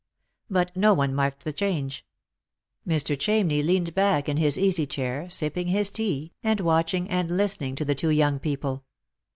But no one marked the change. Mr. Chamney leaned back in his easy chair, sipping his tea, and watching and listen ing to the two young people.